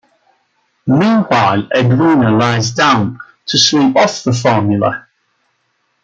Meanwhile, Edwina lies down to sleep off the formula.